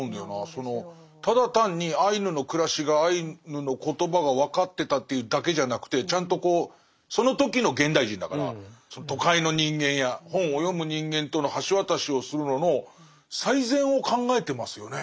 そのただ単にアイヌの暮らしがアイヌの言葉が分かってたというだけじゃなくてちゃんとこうその時の現代人だから都会の人間や本を読む人間との橋渡しをするのの最善を考えてますよね。